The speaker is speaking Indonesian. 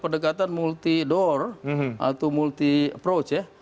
pendekatan multi door atau multi approach ya